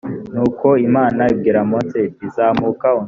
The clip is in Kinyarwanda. nuko imana ibwira mose iti zamuka usange